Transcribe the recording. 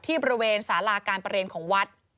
ที่บริเวณศาลาการประเร็ญของวัด